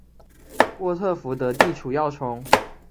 沃特福德地处要冲。